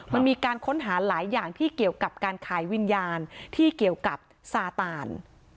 มันมีการค้นหาหลายอย่างที่เกี่ยวกับการขายวิญญาณที่เกี่ยวกับซาตาน